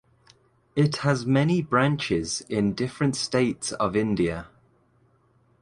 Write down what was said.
It has many branches in different states of India.